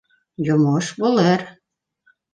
Йомош булыр.